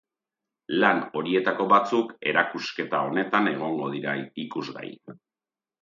Lan horietako batzuk erakusketa honetan egongo dira ikusgai.